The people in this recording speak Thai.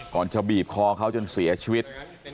จะบีบคอเขาจนเสียชีวิต